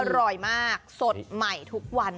อร่อยมากสดใหม่ทุกวัน